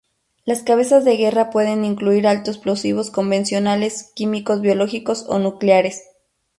Las cabezas de guerra pueden incluir alto explosivos convencionales, químicos, biológicos o nucleares.